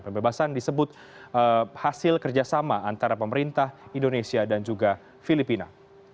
pembebasan disebut hasil kerjasama antara pemerintah indonesia dan juga filipina